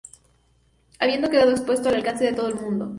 habiendo quedado expuesto al alcance de todo el mundo